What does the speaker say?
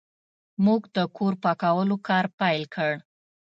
موږ د کور پاکولو کار پیل کړ.